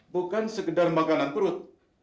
bukan sekedar makanan perut